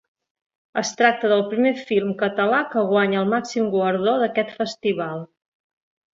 Es tracta del primer film català que guanya el màxim guardó d’aquest festival.